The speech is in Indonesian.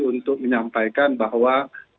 untuk menyampaikan bahwa